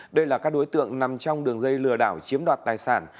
đây là các đối tượng nằm trong đường dây lừa đảo chiếm đoạt tài sản